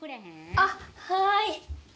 あっはい。